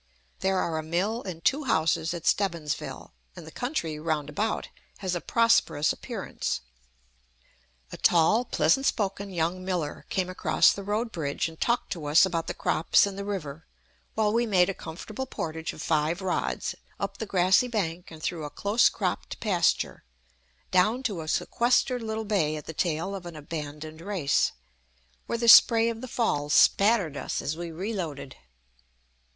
There are a mill and two houses at Stebbinsville, and the country round about has a prosperous appearance. A tall, pleasant spoken young miller came across the road bridge and talked to us about the crops and the river, while we made a comfortable portage of five rods, up the grassy bank and through a close cropped pasture, down to a sequestered little bay at the tail of an abandoned race, where the spray of the falls spattered us as we reloaded.